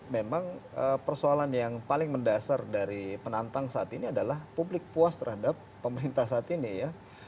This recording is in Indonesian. memang persoalan yang paling mendasar dari penantang saat ini adalah publik puas terhadap pemerintah saat ini ya